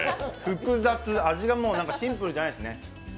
複雑、味がシンプルじゃないですね。